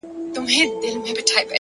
پوهه د ذهن بندیزونه ماتوي!.